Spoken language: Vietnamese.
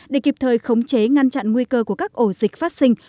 để kịp thời khống chế ngăn chặn nguy cơ của các ổ dịch phát sinh